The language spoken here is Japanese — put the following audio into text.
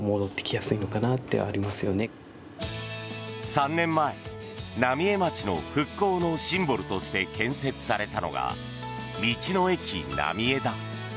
３年前、浪江町の復興のシンボルとして建設されたのが道の駅なみえだ。